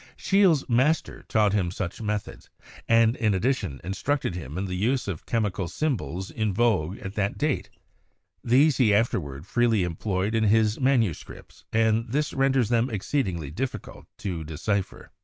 Scheele's master taught him such methods, and in addition instructed him in the use of the chemical symbols in vogue at that date; these he afterward freely employed in his manuscripts, and this renders them exceedingly difficult to decipher.